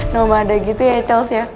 nomada gitu ya tels ya